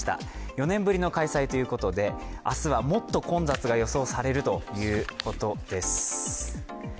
４年ぶりの開催ということで明日はもっと混雑が予想されるということです。